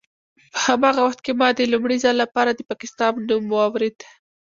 په هماغه وخت کې ما د لومړي ځل لپاره د پاکستان نوم واورېد.